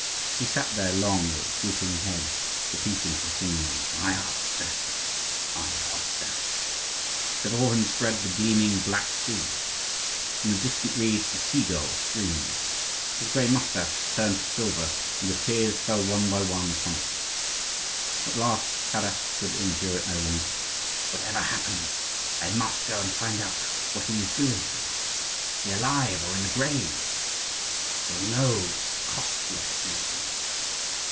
He sat there long with drooping head, repeating continually, "My Ostap, my Ostap!" Before him spread the gleaming Black Sea; in the distant reeds the sea gull screamed. His grey moustache turned to silver, and the tears fell one by one upon it. At last Taras could endure it no longer. "Whatever happens, I must go and find out what he is doing. Is he alive, or in the grave? I will know, cost what it may!"